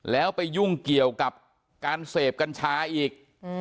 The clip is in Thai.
แล้วไปยุ่งเกี่ยวกับการเสพกัญชาอีก